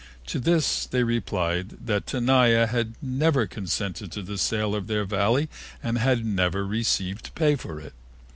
To this they replied that Tenaya had never consented to the sale of their Valley and had never received pay for it.